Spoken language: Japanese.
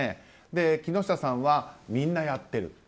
木下さんは、みんなやってる。